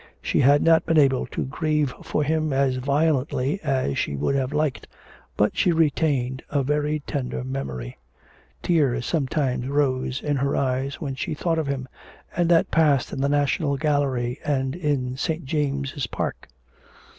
She had not been able to grieve for him as violently as she would have liked, but she retained a very tender memory. Tears sometimes rose to her eyes when she thought of him, and that past in the National Gallery and in St. James' Park.